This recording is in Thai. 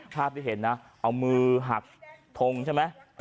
ภาพที่เห็นนะเอามือหักทงใช่ไหม